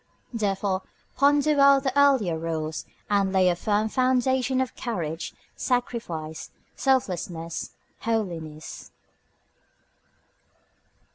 Therefore ponder well the earlier rules, and lay a firm foundation of courage, sacrifice, selflessness, holiness.